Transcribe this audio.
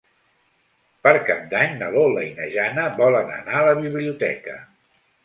Per Cap d'Any na Lola i na Jana volen anar a la biblioteca.